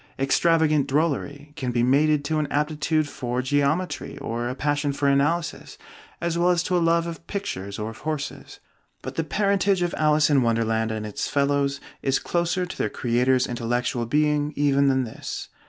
Extravagant drollery can be mated to an aptitude for geometry or a passion for analysis as well as to a love of pictures or of horses. But the parentage of 'Alice in Wonderland' and its fellows is closer to their creator's intellectual being even than this.